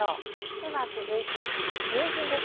では続いてにんじんです